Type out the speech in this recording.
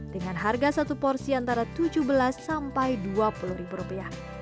dengan harga satu porsi antara rp tujuh belas sampai rp dua puluh ribu rupiah